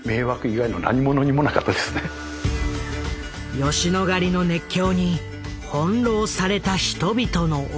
吉野ヶ里の熱狂に翻弄された人々の思いとは。